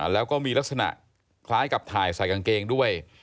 แล้วก็มีลักษณะคล้ายกับถ่ายใส่กางเกงด้วย